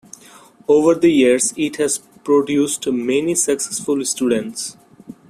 Over the years, it has produced many successful students.